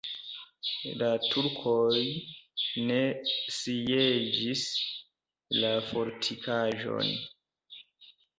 La turkoj ne sieĝis la fortikaĵon.